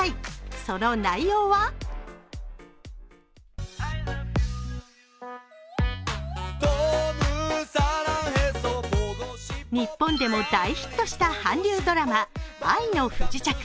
その内容は？日本でも大ヒットした韓流ドラマ「愛の不時着」。